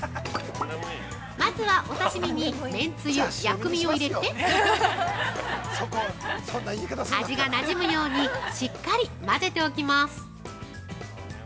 ◆まずはお刺身にめんつゆ、薬味を入れて味がなじむようにしっかり混ぜておきます。